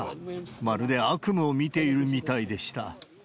まるで悪夢を見ているみたいでした。